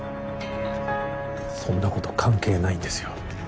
そんなこと関係ないんですよ